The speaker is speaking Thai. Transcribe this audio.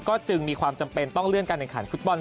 ก็จึงมีความจำเป็นต้องเลื่อนการแข่งขันฟุตบอล